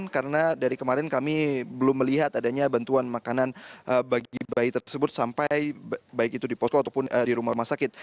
karena dari kemarin kami belum melihat adanya bantuan makanan bagi bayi tersebut sampai baik itu di posko ataupun di rumah sakit